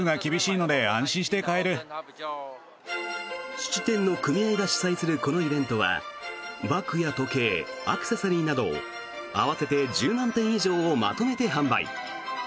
質店の組合が主催するこのイベントはバッグや時計、アクセサリーなど合わせて１０万点以上をまとめて販売。